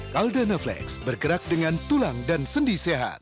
caldanaflex bergerak dengan tulang dan sendi sehat